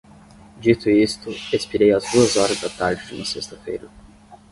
Dito isto, expirei às duas horas da tarde de uma sexta-feira